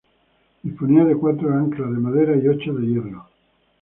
Disponía de cuatro anclas de madera y ocho de hierro.